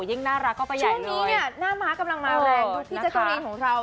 ยิ่งน่ารักเข้าไปใหญ่เลยช่วงนี้อ่ะหน้าม้ากำลังมาแรงดูพี่เจ้าตอนนี้ของเรา